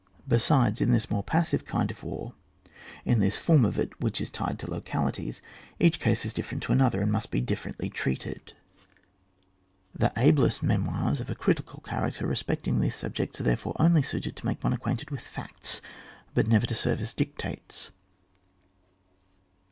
Besides, in 198 ON WAR. [book VI. this more passive kind of war, in this form of it which is tied to localitiesj each case is different to another, and must be differently treated. The ablest memoirs of a critical character respecting these subjects are therefore only suited to make one acquainted with facts, but never to serve as dictates.